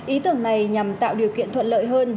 ý tưởng này nhằm tạo điều kiện thuận lợi hơn